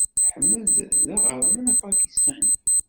Ahmed d aɣerman apakistani.